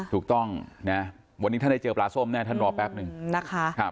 ถูกต้องนะวันนี้ท่านได้เจอปลาส้มแน่ท่านรอแป๊บนึงนะคะ